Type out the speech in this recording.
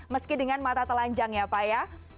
meski dengan mata telanjang ya pak ya